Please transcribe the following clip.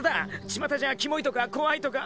ちまたじゃキモいとか怖いとか。